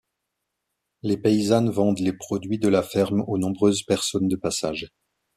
Les paysannes vendent les produits de la ferme aux nombreuses personnes de passage.